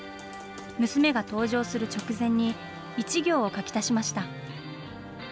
娘が登場する直前に１行を書き足しました。